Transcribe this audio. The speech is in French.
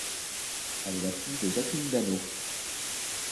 Elle est la fille de Jacqueline Danno.